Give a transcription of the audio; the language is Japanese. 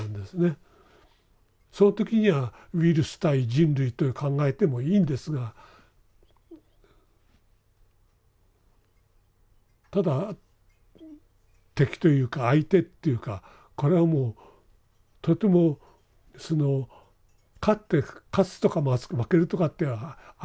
その時にはウイルス対人類という考えてもいいんですがただ敵というか相手っていうかこれはもうとてもその勝つとか負けるとかって相手じゃないんですね。